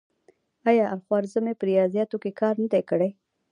آیا الخوارزمي په ریاضیاتو کې کار نه دی کړی؟